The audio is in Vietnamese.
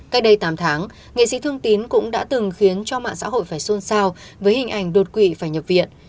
cách đây tám tháng nghệ sĩ thương tín cũng đã từng khiến cho mạng xã hội phải xôn xao với hình ảnh đột quỵ phải nhập viện